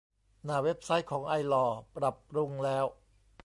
หน้าเว็บไซต์ของไอลอว์ ปรับปรุงแล้ว